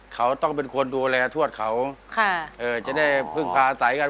เขาต้องเป็นคนดูแลทวดเขาจะได้พึ่งพาอาศัยกัน